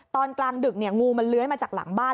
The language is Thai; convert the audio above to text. ตอนกลางดึกเนี่ยงูมันเลื้อยมาจากหลังบ้าน